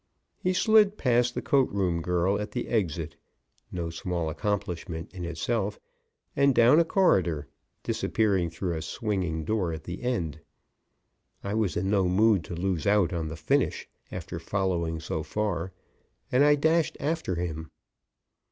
He slid past the coat room girl at the exit (no small accomplishment in itself) and down a corridor, disappearing through a swinging door at the end. I was in no mood to lose out on the finish after following so far, and I dashed after him.